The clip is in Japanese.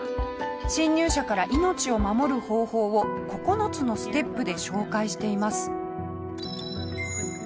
侵入者から命を守る方法を９つのステップで紹介しています。